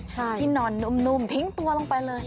ที่นอนนุ่มทิ้งตัวลงไปเลย